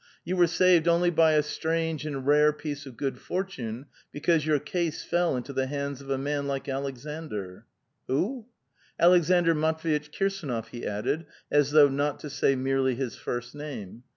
You were saved only by a strange and rare piece of good fortune, because your case fell into the hands of a man like Aleksandr." "Who?" " Aleksandr Matv^itch Kirsdnof,". he added, as though not to say merely his first name.